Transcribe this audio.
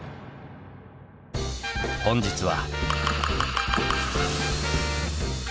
本日は。